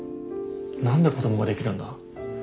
何で子供ができるんだ？